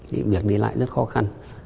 thì việc đi lại rất khó khăn